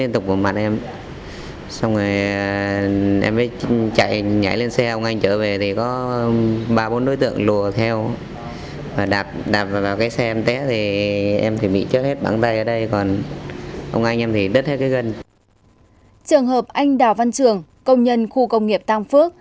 trường hợp anh đào văn trường công nhân khu công nghiệp tam phước